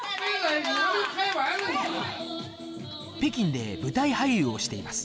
北京で舞台俳優をしています。